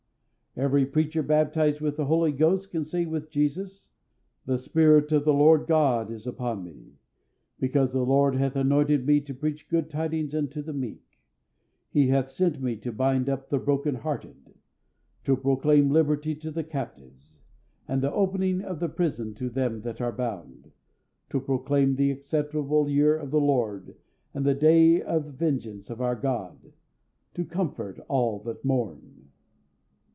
Every preacher baptised with the Holy Ghost can say with Jesus: "The Spirit of the Lord God is upon Me; because the Lord hath anointed Me to preach good tidings unto the meek; He hath sent Me to bind up the broken hearted, to proclaim liberty to the captives, and the opening of the prison to them that are bound; to proclaim the acceptable year of the Lord, and the day of vengeance of our God; to comfort all that mourn."